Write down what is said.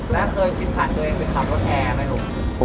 แล้วเคยคิดผ่านตัวเองไปขับรถแอร์ไหมลูก